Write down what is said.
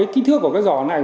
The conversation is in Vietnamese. kí thước của cái giỏ này